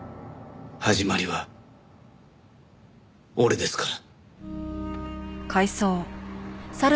始まりは俺ですから。